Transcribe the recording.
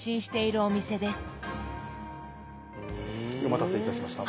お待たせいたしました。